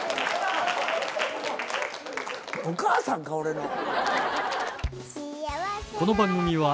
お母さんか俺の。